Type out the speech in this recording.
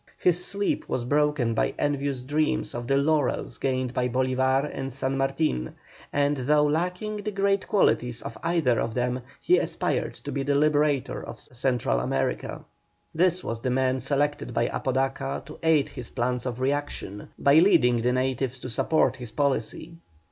His sleep was broken by envious dreams of the laurels gained by Bolívar and San Martin, and though lacking the great qualities of either of them, he aspired to be the liberator of Central America. This was the man selected by Apodaca to aid his plan of reaction, by leading the natives to support his policy.